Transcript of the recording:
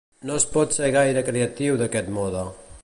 No es pot ser gaire creatiu d'aquest mode.